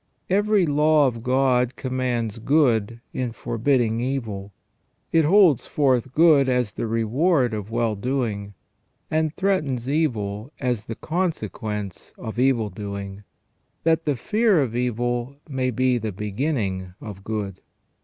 Every law of God commands good in forbidding evil. It holds forth good as the reward of well doing, and threatens evil as the consequence of evil doing, that the fear of evil may be the begin ning of good.